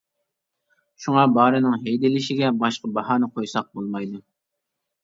شۇڭا بارىنىڭ ھەيدىلىشىگە باشقا باھانە قويساق بولمايدۇ.